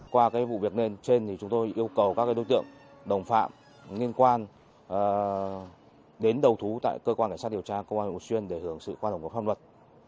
qua cái vụ việc này trên thì chúng tôi yêu cầu các đối tượng đồng phạm liên quan đến đầu thú tại cơ quan cảnh sát điều tra công an huyện phú xuyên để hưởng sự quan hệ của pháp luật